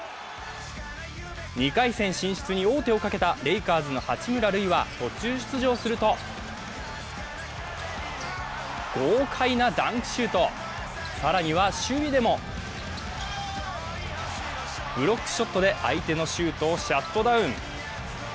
２回戦進出に王手をかけたレイカーズの八村塁は途中出場すると豪快なダンクシュート、更には守備でもブロックショットで相手のシュートをシャットダウン。